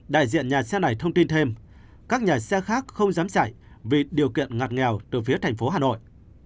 đại diện nhà xe này thông tin thêm các nhà xe khác không dám giải vì điều kiện ngặt nghèo từ phía thành phố hà nội